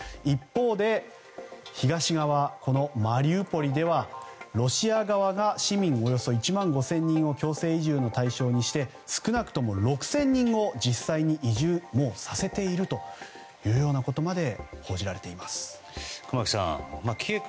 一方で、東側マリウポリではロシア側が市民およそ１万５０００人を強制移住の対象として少なくとも６０００人を実際に移住させているというようなことまで報じられています。